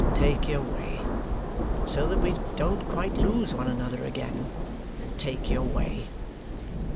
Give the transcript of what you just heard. Take your way. So that we don't quite lose one another again, take your way."